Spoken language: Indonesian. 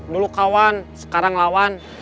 dulu kawan sekarang lawan